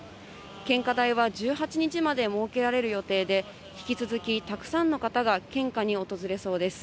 献花台は１８日まで設けられる予定で、引き続き、たくさんの方が献花に訪れそうです。